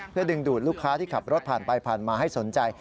เพื่อดึงดูดลูกค้าที่ขับรถผ่านไปผ่านมาให้สนใจ